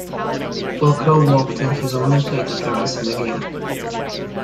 Furcal walked in his only plate appearance in the game.